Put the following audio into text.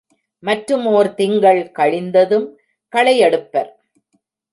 மற்றுமோர் திங்கள் கழிந்ததும் களையெடுப்பர்.